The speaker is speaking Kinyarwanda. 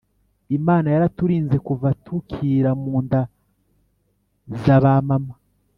imana yaraturinze kuva tukira munda z abamama